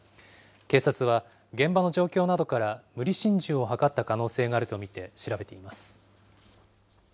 警察は、現場の状況などから無理心中を図った可能性があると見て調べています。